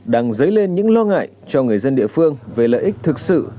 đang dấy lên những lo ngại cho người dân địa phương về lợi ích thực sự